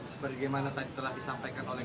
seperti bagaimana tadi telah disampaikan oleh